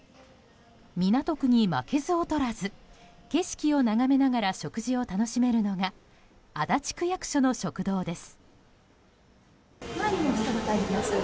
港区に負けず劣らず景色を眺めながら食事を楽しめるのが足立区役所の食堂です。